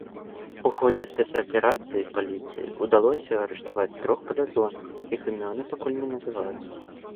У ходзе спецаперацыі паліцыі ўдалося арыштаваць трох падазроных, іх імёны пакуль не называюцца.